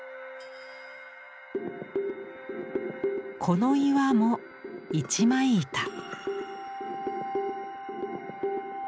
この岩も一枚板。